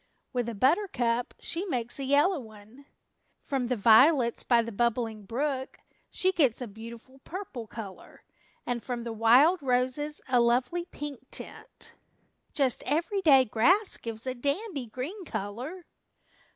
With a buttercup she makes a yellow one. From the violets by the Bubbling Brook she gets a beautiful purple color, and from the wild roses a lovely pink tint. Just every day grass gives a dandy green color."